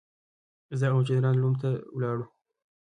زه او جنرال روم ته ولاړو.